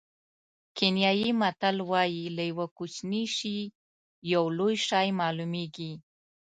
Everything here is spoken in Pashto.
کینیايي متل وایي له یوه کوچني شي یو لوی شی معلومېږي.